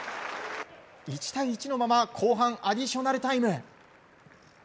１対１のまま後半アディショナルタイム。